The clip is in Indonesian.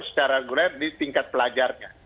secara reguler di tingkat pelajarnya